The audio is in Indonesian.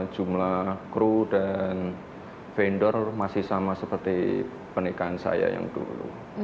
jumlah kru dan vendor masih sama seperti pernikahan saya yang dulu